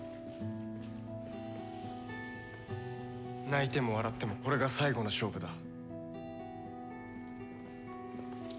泣いても笑ってもこれが最後の勝負だ。